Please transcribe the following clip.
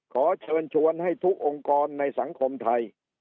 ขอเชิญชวนให้ทุกองค์กรในสังคมไทย